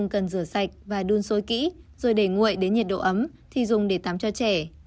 cần rửa sạch và đun sôi kỹ rồi để nguội đến nhiệt độ ấm thì dùng để tắm cho trẻ